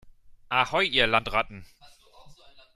Ahoi, ihr Landratten